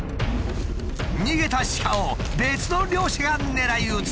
逃げた鹿を別の猟師が狙い撃つ！